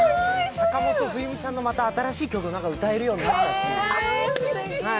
坂本冬美さんの新しい曲、歌えるようになったとかで。